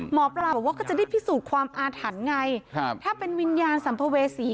หมอปลาบอกว่าก็จะได้พิสูจน์ความอาถรรพ์ไงถ้าเป็นวิญญาณสัมภเวษี